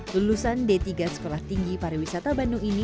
lulusan d tiga sekolah tinggi pariwisata bandung ini